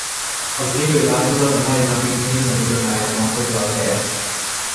Az élő változat a mai napig Mason irodájában foglal helyet.